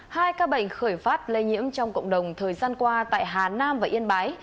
hai ca bệnh khởi phát lây nhiễm trong cộng đồng thời gian qua tại hà nam và yên bái